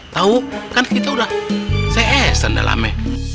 tau kan kita udah csnya udah lama